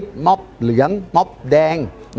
ตอนต่อไป